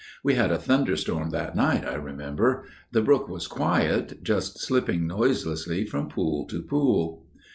We had a thunderstorm that night, I remember. The brook was quiet, just slipping noiselessly from pool to pool.